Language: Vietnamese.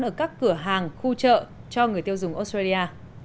ở các cửa hàng khu chợ cho người tiêu dùng australia